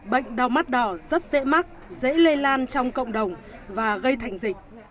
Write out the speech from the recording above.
bệnh đau mắt đỏ rất dễ mắc dễ lây lan trong cộng đồng và gây thành dịch